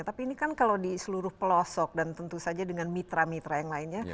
tapi ini kan kalau di seluruh pelosok dan tentu saja dengan mitra mitra yang lainnya